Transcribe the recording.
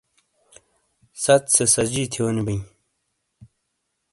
ست سے سجی تھیونی بئے